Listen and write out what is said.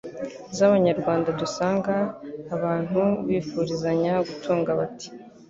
z'Abanyarwanda dusanga abantu bifurizanya gutunga bati